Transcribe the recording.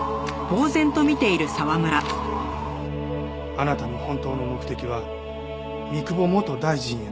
あなたの本当の目的は三窪元大臣への復讐。